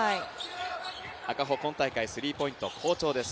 赤穂、今大会、スリーポイント、好調です。